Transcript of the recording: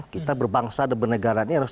kita berbangsa dan bernegara ini harus